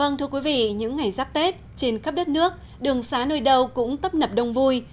vâng thưa quý vị những ngày giáp tết trên khắp đất nước đường xá nơi đâu cũng tấp nập đông vui